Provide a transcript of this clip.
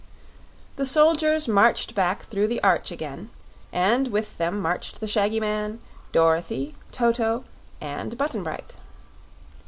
The soldiers marched back through the arch again, and with them marched the shaggy man, Dorothy, Toto, and Button Bright.